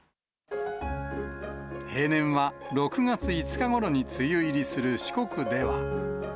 平年は６月５日ごろに梅雨入りする四国では。